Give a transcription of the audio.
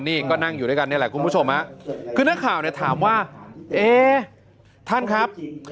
นี่ก็นั่งอยู่ด้วยกันนี่แหละคุณผู้ชมฮะคือนักข่าวเนี่ยถามว่าเอ๊ท่านครับ